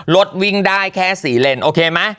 รถวิ่งได้แค่๔เลนโอเคไหม